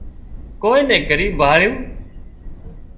ڪوئي نين ڳريٻ ڀاۯينَ